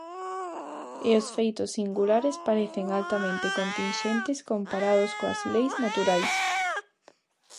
E os feitos singulares parecen altamente continxentes comparados coas leis naturais.